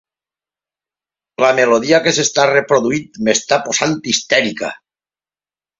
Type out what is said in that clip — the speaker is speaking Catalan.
La melodia que s'està reproduint m'està posant histèrica.